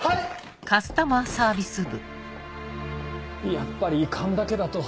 やっぱり勘だけだと。